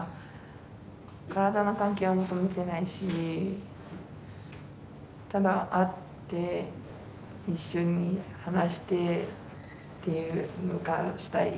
体の関係は求めてないしただ会って一緒に話してっていうのがしたいだけ。